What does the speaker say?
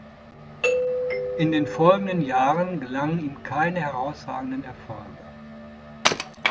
In den folgenden Jahren gelangen ihm keine herausragenden Erfolge.